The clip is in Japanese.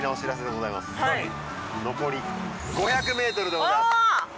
はい残り５００ｍでございますおお！